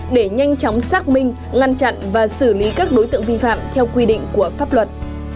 để nhanh chóng xác minh ngăn chặn và xử lý các đối tượng vi phạm theo quy định của pháp luật